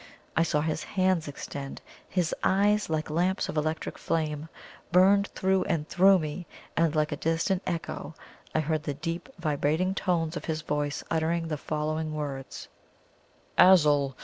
I saw his hands extend his eyes, like lamps of electric flame, burned through and through me and like a distant echo, I heard the deep vibrating tones of his voice uttering the following words: "Azul! Azul!